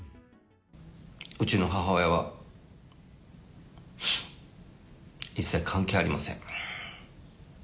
うちの母親は一切関係ありません。